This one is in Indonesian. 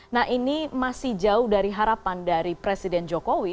nah ini masih jauh dari harapan dari presiden jokowi